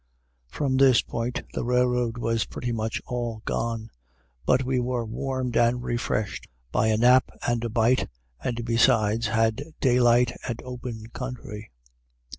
From this point, the railroad was pretty much all gone. But we were warmed and refreshed by a nap and a bite, and besides had daylight and open country.